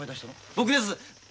僕です。